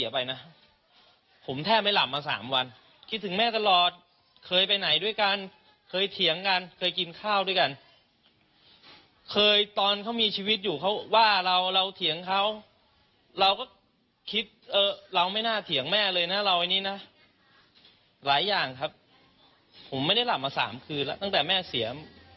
ผมไม่ได้หลับมา๓คืนแล้วตั้งแต่แม่เสียมันไม่หลับเลย